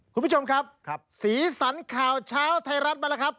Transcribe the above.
คุณบุ๊คคุณน้ำแข็งครับ